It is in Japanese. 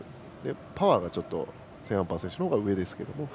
パワーがちょっとセーンアンパー選手のほうが上ですけれども。